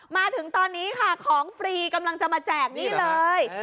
มาถึงตอนนี้ค่ะของฟรีกำลังจะมาแจกนี่เลย